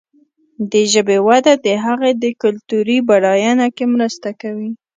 د ژبې وده د هغې د کلتوري بډاینه کې مرسته کوي.